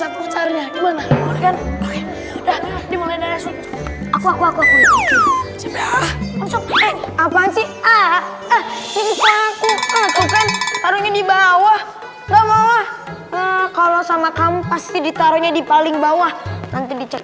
apa sih ah ini aku taruhnya di bawah kalau sama kamu pasti ditaruhnya di paling bawah nanti dicek